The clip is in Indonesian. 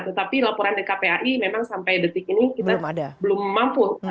tetapi laporan dari kpai memang sampai detik ini kita belum mampu